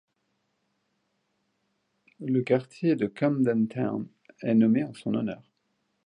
Le quartier de Camden Town est nommé en son honneur.